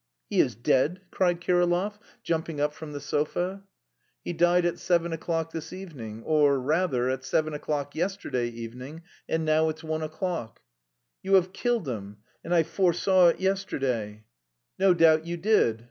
"He is dead!" cried Kirillov, jumping up from the sofa. "He died at seven o'clock this evening, or rather, at seven o'clock yesterday evening, and now it's one o'clock." "You have killed him!... And I foresaw it yesterday!" "No doubt you did!